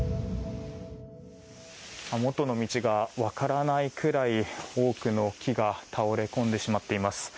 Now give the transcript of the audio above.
元の道がわからないくらい多くの木が倒れ込んでしまっています。